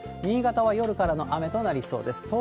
新潟は夜からの雨となりそうです。